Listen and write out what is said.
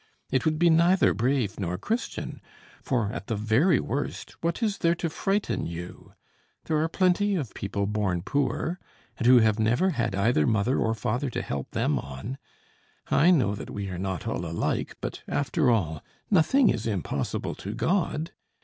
It would be neither brave nor Christian; for, at the very worst, what is there to frighten you? There are plenty of people born poor, and who have never had either mother or father to help them on. I know that we are not all alike, but, after all, nothing is impossible to God.